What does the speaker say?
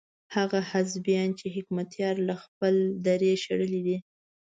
هغه حزبيان چې حکمتیار له خپلې درې شړلي دي.